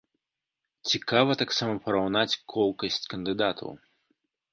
Цікава таксама параўнаць колкасць кандыдатаў.